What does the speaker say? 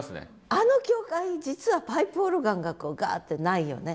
あの教会実はパイプオルガンがこうガッてないよね。